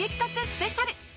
スペシャル